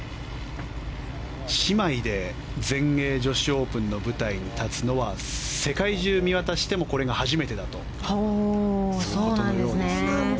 姉妹で全英女子オープンの舞台に立つのは世界中見渡してもこれが初めてということのようです。